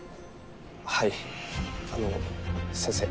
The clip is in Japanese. はいあの先生。